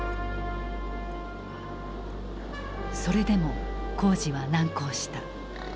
それでも工事は難航した。